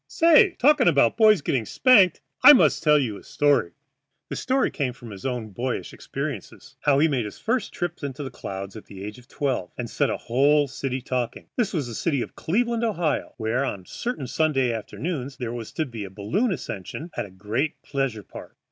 Say, talking about boys getting spanked, I must tell you a story." The story was from his own boyish experience how he made his first trip to the clouds at the age of twelve, and set a whole city talking. This was the city of Cleveland, Ohio, where on a certain Sunday afternoon there was to be a balloon ascension at the great pleasure park.